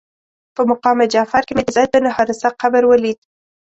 په مقام جعفر کې مې د زید بن حارثه قبر ولید.